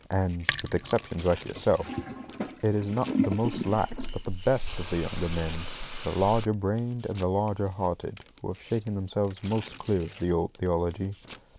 And (with exceptions like yourself) it is not the most lax, but the BEST of the younger men, the larger brained and the larger hearted, who have shaken themselves most clear of the old theology.